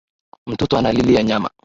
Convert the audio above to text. Mtoto analilia nyama